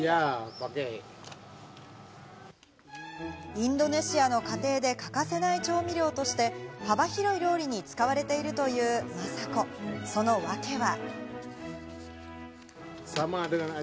インドネシアの家庭で欠かせない調味料として幅広い料理に使われているという「Ｍａｓａｋｏ」、その訳は。